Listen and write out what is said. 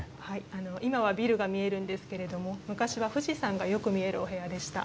今は、ビルが見えるんですけれども昔は、富士山がよく見えるお部屋でした。